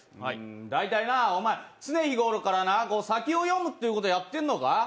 大体な、おまえ、常日頃から先を読むっていうことをやっているのか？